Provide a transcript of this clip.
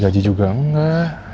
di gaji juga enggak